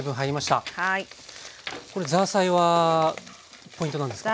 これザーサイはポイントなんですか？